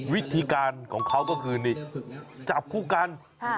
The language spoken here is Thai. วิธีการของเขาก็คือนี่จับคู่กัน